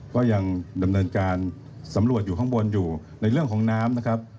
ก็ยังดำเนินการสำรวจอยู่ข้างบนอยู่ในเรื่องของน้ำนะครับ